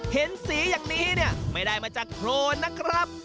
เห็นสีอย่างนี้เนี่ยไม่ได้มาจากโครนนะครับ